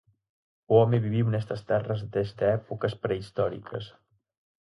O home viviu nestas terras desde épocas prehistóricas.